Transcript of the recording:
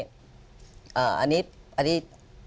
อ่าอันนี้อันนี้